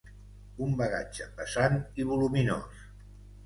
Un bagatge pesant i voluminós.